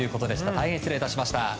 大変失礼いたしました。